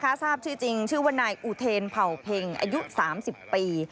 ถ้าทราบชื่อจริงชื่อว่านายอุเทนเผ่าเพ็งอายุ๓๐ปี